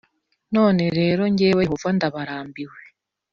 None rero jyewe Yehova ndabarambiwe